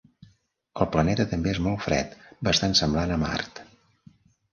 El planeta també és molt fred, bastant semblant a Mart.